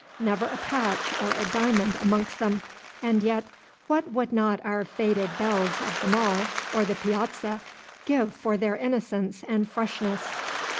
Never a patch or a diamond amongst them, and yet what would not our faded belles of the Mall or the Piazza give for their innocence and freshness?